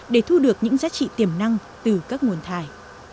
để thu được những giá trị tiềm năng từ các nguồn thải